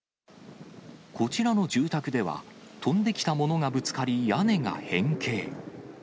こちらの住宅では、飛んできたものがぶつかり、屋根が変形。